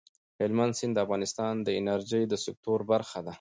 هلمند سیند د افغانستان د انرژۍ د سکتور برخه ده.